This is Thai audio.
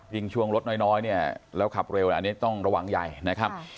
ช่วงรถน้อยเนี่ยแล้วขับเร็วอันนี้ต้องระวังใหญ่นะครับ